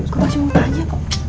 gue masih mau tanya